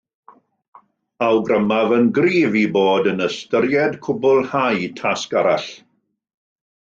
Awgrymaf yn gryf ei bod yn ystyried cwblhau tasg arall